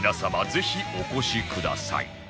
ぜひお越しください